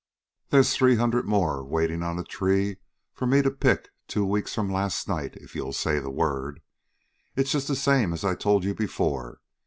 They's three hundred more waitin' on the tree for me to pick two weeks from last night if you'll say the word. It's just the same as I told you before.